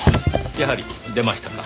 やはり出ましたか。